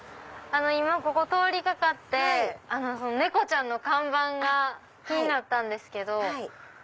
今ここ通り掛かって猫ちゃんの看板が気になったんですけど。